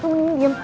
lu mendingan diam